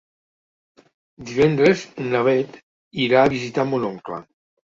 Divendres na Beth irà a visitar mon oncle.